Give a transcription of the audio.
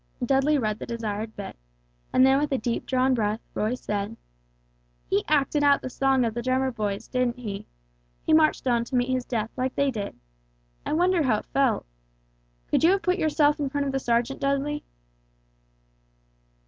Dudley read the desired bit, and then with a deep drawn breath Roy said: "He acted out the song of the drummer boys, didn't he? He marched on to meet his death like they did. I wonder how it felt. Could you have put yourself in front of the sergeant, Dudley?"